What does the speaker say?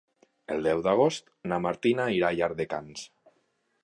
El deu d'agost na Martina irà a Llardecans.